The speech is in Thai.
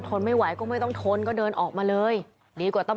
ทนไม่ไหวก็ไม่ต้องทนก็เดินออกมาเลยดีกว่าต้อง